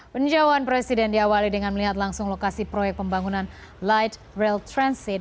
penjauhan presiden diawali dengan melihat langsung lokasi proyek pembangunan light rail transit